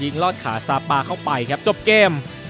ยิงลอดขาซาปาเข้าไปจบเกม